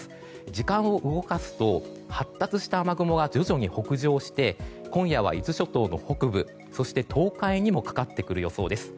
時間を動かすと発達した雨雲は徐々に北上して今夜は伊豆諸島の北部そして東海にもかかってくる予想です。